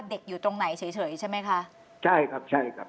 อยู่ตรงไหนเฉยเฉยใช่ไหมคะใช่ครับใช่ครับ